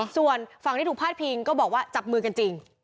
ส่วนฝั่งที่ถูกพาดพิงก็บอกว่าจับมือกันจริง